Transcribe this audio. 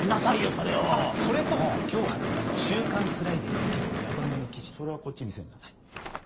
それをそれと今日発売の週刊ＴＳＵＲＩＤＡＹに結構ヤバめの記事それはこっち見せんだね